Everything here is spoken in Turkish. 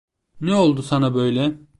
Ne oldu sana böyle?